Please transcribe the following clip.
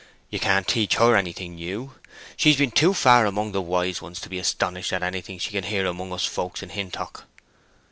You can't teach her anything new. She's been too far among the wise ones to be astonished at anything she can hear among us folks in Hintock."